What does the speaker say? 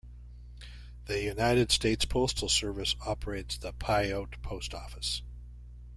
The United States Postal Service operates the Pyote Post Office.